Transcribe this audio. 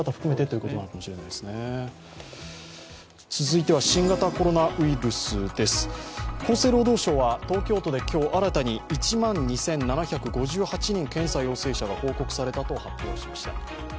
続いては新型コロナウイルスです厚生労働省は今日東京都で新たに１万２７５８人検査陽性者が報告されたと発表しました。